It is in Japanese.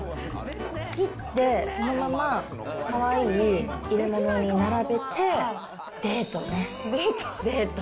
切って、そのままかわいい入れ物に並べて、デートね。